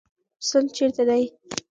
سند چیرته دی؟